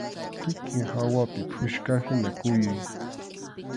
Kikin hawapi puchkahina kuyuy.